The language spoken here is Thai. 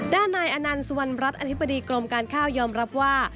ด้านนายอนันต์สุวรรณรัฐอธิบดีกรมการข้าวยอมรับว่า